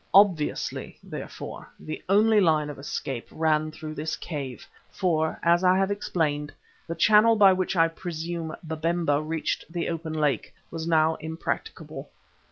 Obviously, therefore, the only line of escape ran through this cave, for, as I have explained, the channel by which I presume Babemba reached the open lake, was now impracticable.